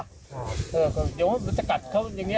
เดี๋ยวว่ามันจะกัดเขาอย่างนี้